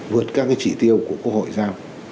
vượt các chỉ tiêu của quốc hội ra